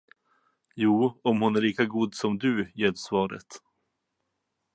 Jo, om hon är lika god som du, ljöd svaret.